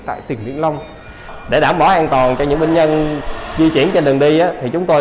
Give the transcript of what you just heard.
tại tỉnh vĩnh long để đảm bảo an toàn cho những bệnh nhân di chuyển trên đường đi thì chúng tôi